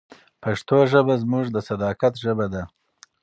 پښتو ژبه زموږ د صداقت ژبه ده.